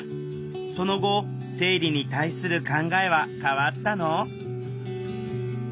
その後生理に対する考えは変わったの？